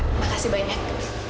terima kasih banyak